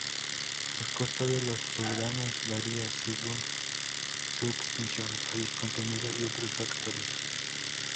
El costo de los programas varía según su extensión, país, contenido y otros factores.